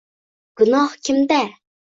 Gunoh kimda?